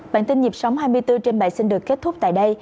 bản tin dịp sóng hai mươi bốn trên bài xin được kết thúc tại đây